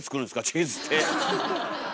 チーズって。